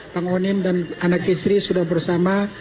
pangonim dan anak istri sudah bersama